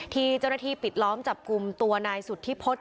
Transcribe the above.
ที่เจ้าหน้าที่ปิดล้อมจับกลุ่มตัวนายสุธิพฤษ